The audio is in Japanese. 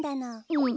うん。